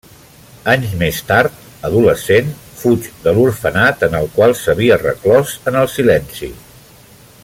Anys més tard, adolescent, fuig de l'orfenat en el qual s'havia reclòs en el silenci.